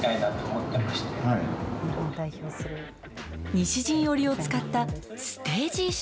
西陣織を使った、ステージ衣装。